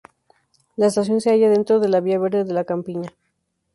La estación se halla dentro de la Vía Verde de la Campiña.